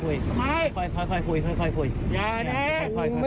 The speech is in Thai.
ให้ให้ย้ายให้ให้ย้าย